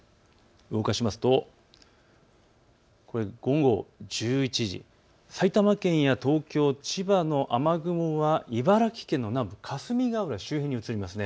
動かしますとこれは午後１１時、埼玉県や東京、千葉の雨雲は茨城県南部霞ヶ浦周辺に移ります。